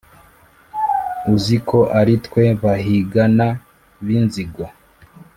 uzi ko ari twe bahigana b’inzigo,